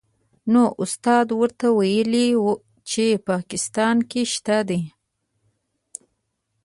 نو استاد ورته وویل چې په پاکستان کې شته دې.